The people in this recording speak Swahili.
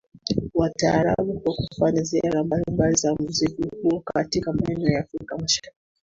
wa taarab kwa kufanya ziara mbalimbali za muziki huo katika maeneo ya afrika mashariki